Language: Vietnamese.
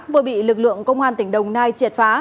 vừa bị lực lượng công an tỉnh đồng nai triệt phá